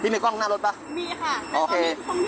พี่มีกล้องน่ารถปะมีค่ะโอเค